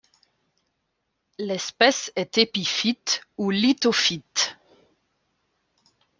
L'espèce est épiphyte ou lithophyte.